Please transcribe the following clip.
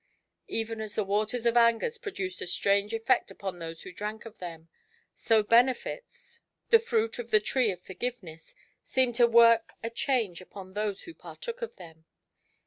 Even as the waters of Anger produced a strange effect upon those who drank of them, so Benefits, the fruit of the tree of Forgiveness, seemed to work a change upon those who partook of them.